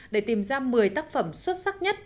để tìm ra một mươi tác phẩm xuất sắc nhất